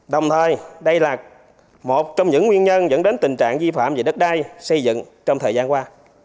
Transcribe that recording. đồng thời đây là một trong những nguyên nhân dẫn đến tình trạng di phạm về đất đai xây dựng trong thời gian qua